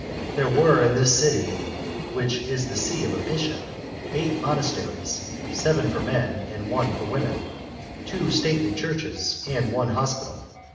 There were in this city (which is the see of a bishop) eight monasteries, seven for men, and one for women; two stately churches, and one hospital.